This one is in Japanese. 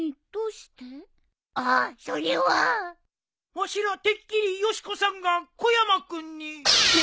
わしらてっきりよし子さんが小山君に。